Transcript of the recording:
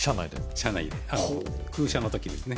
車内で空車の時ですね